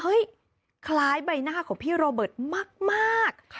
คล้ายใบหน้าของพี่โรเบิร์ตมาก